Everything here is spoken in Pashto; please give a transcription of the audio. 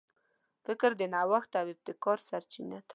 فکر د نوښت او ابتکار سرچینه ده.